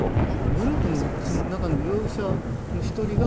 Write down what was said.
グループの中の容疑者の１人が。